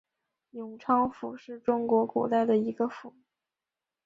永昌府是中国古代的一个府。